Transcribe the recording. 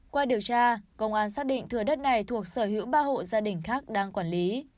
qua điều tra công an xác định thừa đất này thuộc sở hữu ba hộ gia đình khác đang quản lý